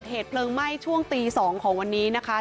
เหตุเพลิงไหม้ช่วงตี๒ของวันนี้นะคะ